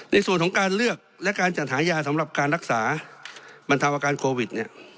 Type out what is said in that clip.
ในส่วนของการเลือกและการจัดหายาสำหรับการรักษาบรรเทาอาการโควิดเนี่ย